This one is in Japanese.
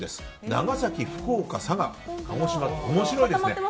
長崎、福岡、佐賀、鹿児島と面白いですね。